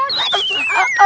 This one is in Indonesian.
kak nyari angin disitu